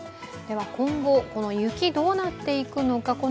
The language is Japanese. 今後、雪どうなっていくのか。